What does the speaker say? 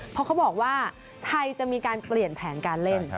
เพราะเขาบอกว่าไทยจะมีการเปลี่ยนแผนการเล่น